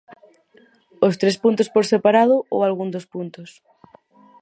¿Os tres puntos por separado ou algún dos puntos?